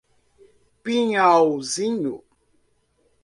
Pinhalzinho